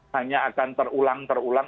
hanya akan terulang terulang